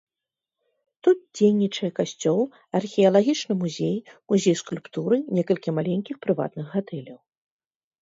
Тут дзейнічае касцёл, археалагічны музей, музей скульптуры, некалькі маленькіх прыватных гатэляў.